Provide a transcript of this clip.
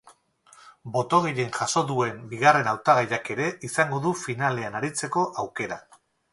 Boto gehien jaso duen bigarren hautagaiak ere izango du finalean aritzeko aukera.